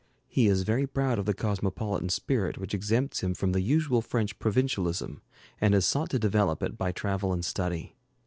He is very proud of the cosmopolitan spirit which exempts him from the usual French provincialism, and has sought to develop it by travel and study.